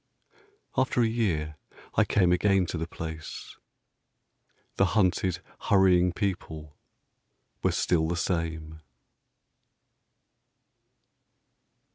After a year I came again to the place The hunted hurrying people were still the same....